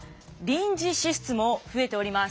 臨時支出も増えております。